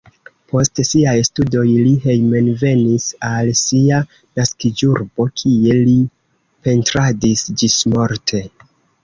Post siaj studoj li hejmenvenis al sia naskiĝurbo, kie li pentradis ĝismorte.